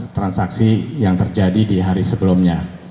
transaksi yang terjadi di hari sebelumnya